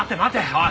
おい。